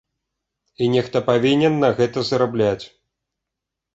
І нехта павінен на гэта зарабляць.